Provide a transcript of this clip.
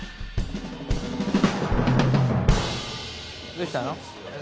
どうしたの？